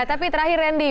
tapi terakhir randy